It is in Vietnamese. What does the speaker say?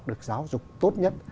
được giáo dục tốt nhất